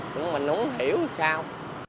thì mình không hiểu sao